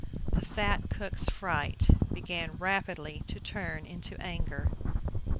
The fat cook's fright began rapidly to turn into anger.